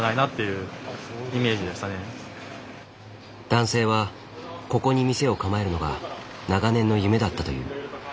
男性はここに店を構えるのが長年の夢だったという。